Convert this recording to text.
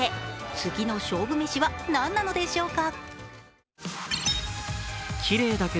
次の勝負飯は何なのでしょうか。